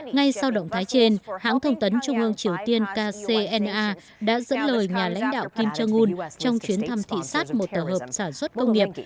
ngay sau động thái trên hãng thông tấn trung ương triều tiên kcna đã dẫn lời nhà lãnh đạo kim jong un trong chuyến thăm thị xát một tổ hợp sản xuất công nghiệp